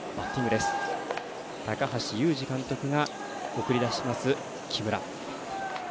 高橋祐二監督が送り出します木村。